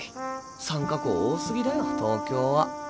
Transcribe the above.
参加校多すぎだよ東京は。